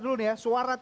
tim rian mana suaranya